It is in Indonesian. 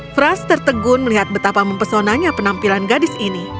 fras tertegun melihat betapa mempesonanya penampilan gadis ini